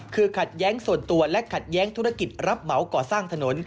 คือขัดแย้งส่วนตัวและขัดแย้งธุรกิจรับเหมาก่อสร้างถนน